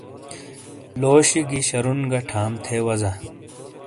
لوشی گی شرُون گی ٹھام تھے وزا۔